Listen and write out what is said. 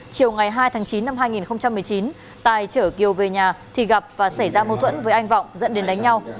chiều ngày hai tháng chín năm hai nghìn một mươi chín tài chở kiều về nhà thì gặp và xảy ra mâu thuẫn với anh vọng dẫn đến đánh nhau